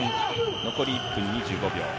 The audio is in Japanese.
残り１分２５秒。